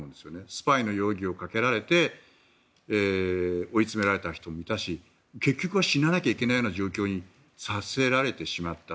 スパイの容疑をかけられて追い詰められた人もいたし結局は死ななきゃいけないような状態にさせられてしまった。